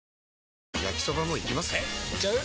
えいっちゃう？